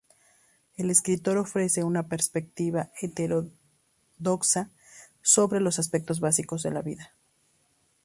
El escrito ofrece una perspectiva heterodoxa sobre los aspectos básicos de la vida.